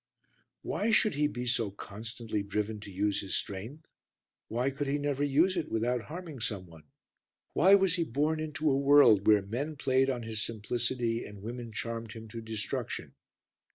Why should he be so constantly driven to use his strength? Why could he never use it without harming some one? Why was he born into a world where men played on his simplicity and women charmed him to destruction?